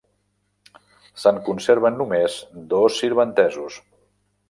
Se'n conserven només dos sirventesos.